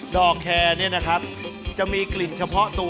อกแคร์เนี่ยนะครับจะมีกลิ่นเฉพาะตัว